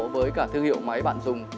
với cả thương hiệu máy bạn dùng